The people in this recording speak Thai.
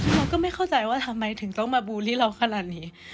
เราก็ไม่เข้าใจว่าทำไมถึงต้องมาบูลลี่เราขนาดนี้